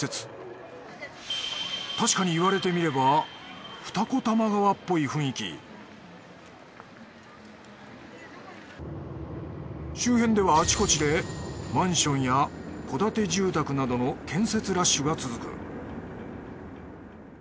たしかにいわれてみれば二子玉川っぽい雰囲気周辺ではあちこちでマンションや戸建て住宅などの建設ラッシュが続く。